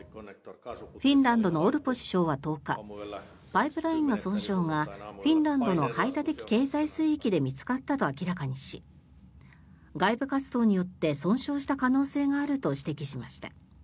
フィンランドのオルポ首相は１０日パイプラインの損傷がフィンランドの排他的経済水域で見つかったと明らかにし外部活動によって損傷した可能性があると指摘しました。